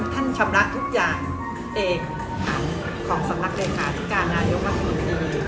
ท่านชำระทุกอย่างเองของสำนักเลยราชการนายศนธนมติ